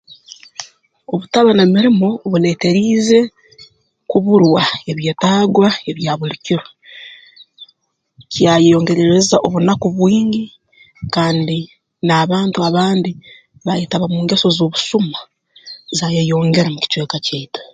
Obutaba na mirimo buleeteriize kuburwa ebyetaagwa ebya buli kiro kyayongerereza obunaku bwingi kandi n'abantu abandi baayetaba mu ngeso z'obusuma zaayeyongera mu kicweka kyaitu